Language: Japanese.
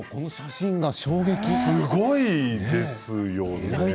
すごいですよね。